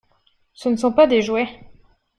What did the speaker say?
Ce ne sont pas des jouets!